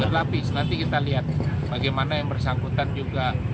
berlapis nanti kita lihat bagaimana yang bersangkutan juga